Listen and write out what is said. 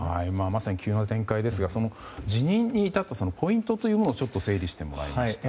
まさに急な展開ですが辞任に至ったポイントというのを整理してもらいました。